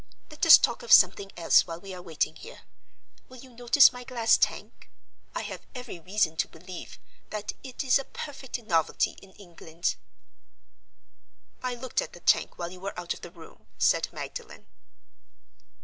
Let us talk of something else while we are waiting here. Will you notice my glass Tank? I have every reason to believe that it is a perfect novelty in England." "I looked at the tank while you were out of the room," said Magdalen.